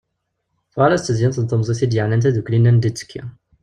Tuɣal-as-d tedyant n tlemẓit i d-yeɛnan taddukli-nni anda i yettekki.